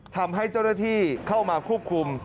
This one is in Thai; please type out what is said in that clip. ทำให้เจ้าหน้าที่เข้ามาควบคุม